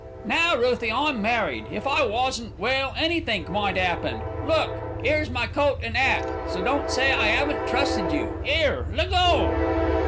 "Now, Ruthie, I'm married; if I wasn't, well, anythink might 'appen. Look! 'ere's my coat and 'at, so don't say I 'aven't trusted you. 'Ere, leggo!"